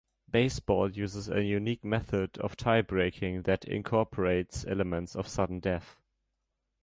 Baseball uses a unique method of tie-breaking that incorporates elements of sudden death.